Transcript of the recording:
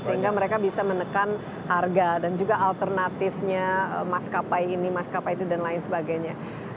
sehingga mereka bisa menekan harga dan juga alternatifnya maskapai ini maskapai itu dan lain sebagainya